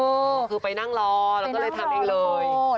ไปนั่งรอไปนั่งรอ